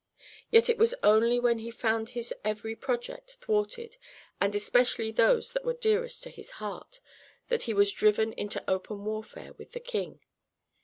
Yet it was only when he found his every project thwarted, and especially those that were dearest to his heart, that he was driven into open warfare with the king.